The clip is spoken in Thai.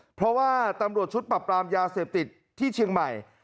เพราะว่าตำรวจชุดปรับปรามยาเสพติดที่เชียงใหม่